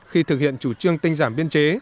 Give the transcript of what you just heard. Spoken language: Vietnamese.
khi thực hiện chủ trương tinh giảm biên chế